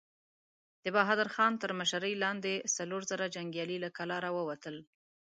د بهادر خان تر مشرۍ لاندې څلور زره جنګيالي له کلا را ووتل.